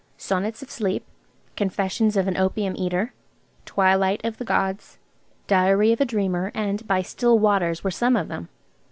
"Sonnets on Sleep," "Confessions of an Opium Eater," "Twilight of the Gods," "Diary of a Dreamer," and "By Still Waters," were some of them.